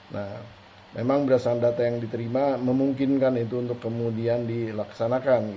nah memang berdasarkan data yang diterima memungkinkan itu untuk kemudian dilaksanakan